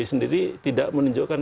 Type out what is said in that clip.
sendiri tidak menunjukkan